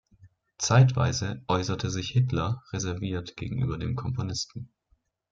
Zeitweise äußerte sich Hitler reserviert gegenüber dem Komponisten.